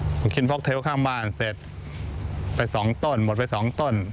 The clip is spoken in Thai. ผมกินฟ็อกเทลข้างบ้านเสร็จไปสองต้นหมดไปสองต้น